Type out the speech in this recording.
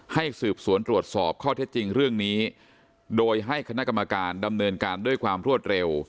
ให้สืบสวนตรวจสอบข้อเท็จจริงเรื่องนี้โดยให้คณะกรรมการดำเนินการด้วยความรวดเร็ว